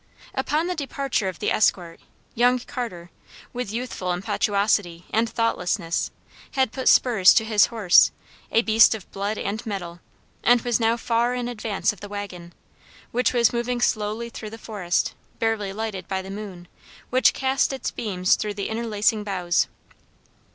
Upon the departure of the escort, young Carter, with youthful impetuosity and thoughtlessness, had put spurs to his horse, a beast of blood and mettle, and was now far in advance of the wagon, which was moving slowly through the forest, barely lighted by the moon, which cast its beams through the interlacing boughs.